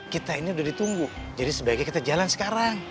kita ini sudah ditunggu jadi sebaiknya kita jalan sekarang